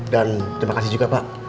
dan terima kasih juga pak